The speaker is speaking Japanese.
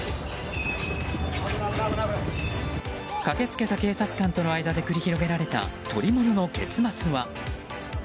駆け付けた警察官との間で繰り広げられた捕り物の結末は。